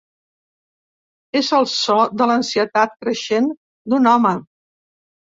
És el so de l'ansietat creixent d'un home.